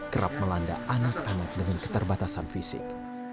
kerap melanda anak anak dengan keterbatasan fisik